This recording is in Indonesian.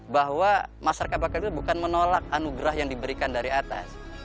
bahwa masyarakat bakar itu bukan menolak anugerah yang diberikan dari atas